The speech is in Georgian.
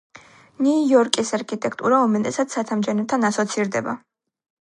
ნიუ-იორკის არქიტექტურა, უმეტესად ცათამბჯენებთან ასოცირდება.